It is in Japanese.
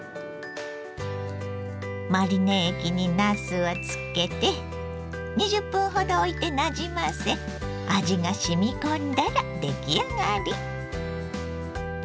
マリネ液になすをつけて２０分ほどおいてなじませ味がしみこんだら出来上がり。